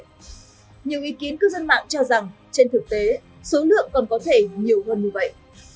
nhiều ý kiến cư dân mạng cho rằng trên thực tế số lượng còn có thể nhiều hơn như vậy